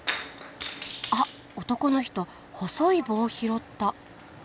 あっ男の人細い棒を拾った。